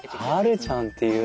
美ちゃんっていうんだ。